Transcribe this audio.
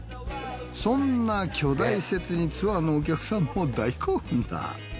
そんな巨大施設にツアーのお客さんも大興奮だ。